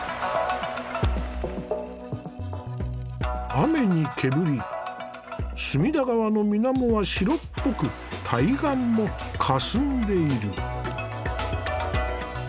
雨にけぶり隅田川の水面は白っぽく対岸もかすんでいる。